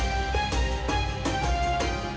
wassalamualaikum warahmatullahi wabarakatuh